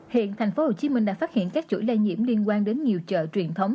hiện thành phố hồ chí minh đã phát hiện các chuỗi lai nhiễm liên quan đến nhiều chợ truyền thống